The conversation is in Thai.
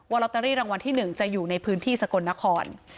ลอตเตอรี่รางวัลที่๑จะอยู่ในพื้นที่สกลนคร